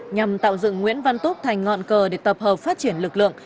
nhằm tạo dựng nguyễn văn túc thành ngọn cờ để tập hợp phát triển lực lượng